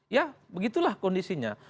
ya begitulah kondisinya